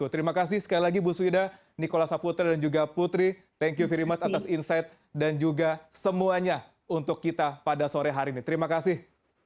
terima kasih sekali lagi bu swida nikola saputra dan juga putri thank you fee remeh atas insight dan juga semuanya untuk kita pada sore hari ini terima kasih